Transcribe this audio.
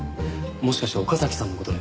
もしかして岡崎さんの事で。